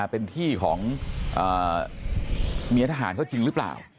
เป็นที่ของเมียทหารเขาจริงหรือเปล่า